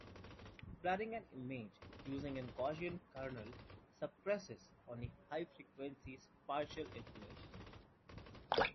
Blurring an image using a Gaussian kernel suppresses only high-frequency spatial information.